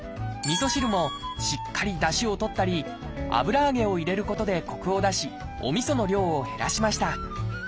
みそ汁もしっかりだしを取ったり油揚げを入れることでコクを出しおみその量を減らしました。